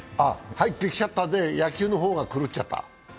入ってきちゃったんで、野球の方が狂っちゃった？